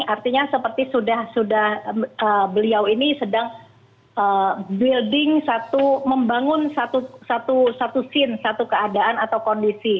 artinya seperti sudah beliau ini sedang building satu membangun satu scene satu keadaan atau kondisi